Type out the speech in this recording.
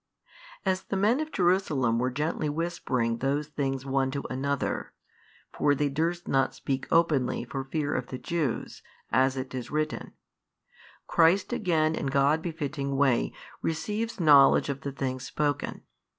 As the men of Jerusalem were gently whispering those things one to another (for they durst not speak openly for fear of the Jews, as it is written) Christ again in God befitting way receives knowledge of the things spoken.